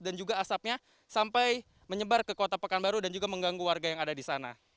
dan juga asapnya sampai menyebar ke kota pekanbaru dan juga mengganggu warga yang ada di sana